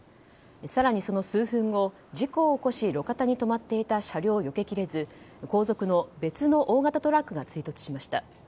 更にその数分後事故を起こし路肩に止まっていた車両をよけきれず、後続の別の大型トラックが追突しました。